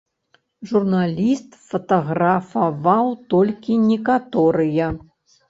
Журналіст фатаграфаваў толькі некаторыя.